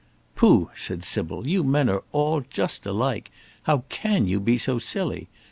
"Pooh!" said Sybil; "you men are all just alike. How can you be so silly?